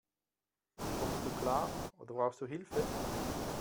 Kommst du klar, oder brauchst du Hilfe?